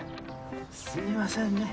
すいませんね。